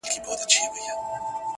دا ستا په ياد كي بابولاله وايم~